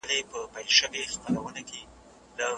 د سياست پېژندني پر سر ځيني فکري ټکرونه شتون لري.